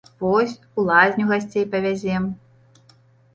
Вось, у лазню гасцей павязем.